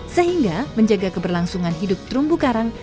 sehingga menjaga keberlangsungan hidup terumbu karang